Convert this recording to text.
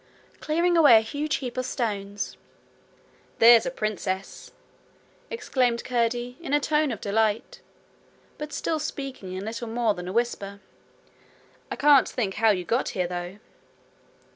'Clearing away a huge heap of stones.' 'There's a princess!' exclaimed Curdie, in a tone of delight, but still speaking in little more than a whisper. 'I can't think how you got here, though.'